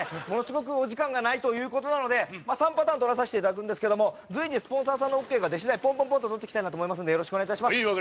ものすごくお時間がないということなので３パターン録らさしていただくんですけども随時スポンサーさんのＯＫが出しだいポンポンポンと録っていきたいなと思いますんでよろしくお願いいたします